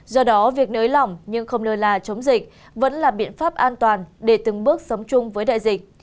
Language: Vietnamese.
do đó việc nới lỏng nhưng không lơ là chống dịch vẫn là biện pháp an toàn để từng bước sống chung với đại dịch